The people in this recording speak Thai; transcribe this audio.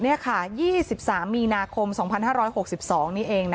เนี่ยค่ะยี่สิบสามมีนาคมสองพันห้าร้อยหกสิบสองนี่เองนะ